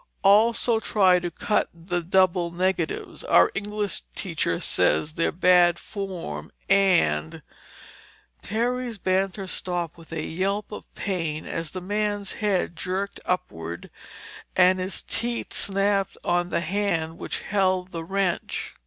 "Also try to cut the double negatives. Our English teacher says they're bad form and—" Terry's banter stopped with a yelp of pain as the man's head jerked upward and his teeth snapped on the hand which held the wrench.